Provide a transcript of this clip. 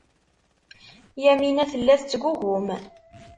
Yamina tella tettgugum.